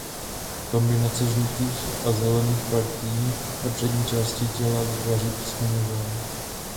Kombinace žlutých a zelených partií na přední části těla vytváří písmeno „V“.